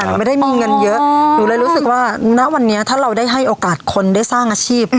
หนูไม่ได้มีเงินเยอะหนูเลยรู้สึกว่าณวันนี้ถ้าเราได้ให้โอกาสคนได้สร้างอาชีพ